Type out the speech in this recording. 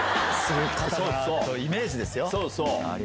イメージですよ。